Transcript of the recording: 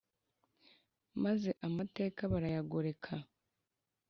maze amateka barayagoreka